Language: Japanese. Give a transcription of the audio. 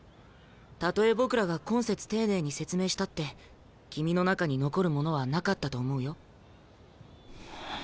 たとえ僕らが懇切丁寧に説明したって君の中に残るものはなかったと思うよ。